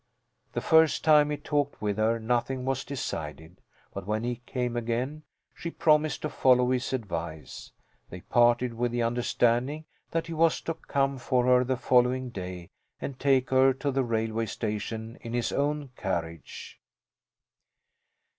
The first time he talked with her nothing was decided, but when he came again she promised to follow his advice. They parted with the understanding that he was to come for her the following day and take her to the railway station in his own carriage.